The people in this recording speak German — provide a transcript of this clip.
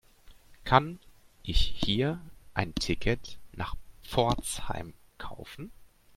Kann ich hier ein Ticket nach Pforzheim kaufen?